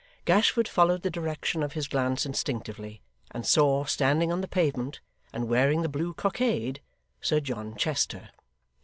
Gashford followed the direction of his glance instinctively, and saw, standing on the pavement, and wearing the blue cockade, Sir John Chester.